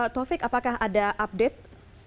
taufik apakah ada update